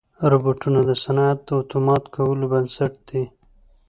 روبوټونه د صنعت د اتومات کولو بنسټ دي.